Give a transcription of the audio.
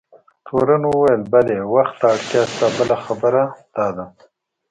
تورن وویل: بلي، وخت ته اړتیا شته، بله خبره دا ده.